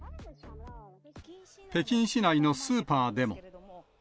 北京市内のスーパーでも。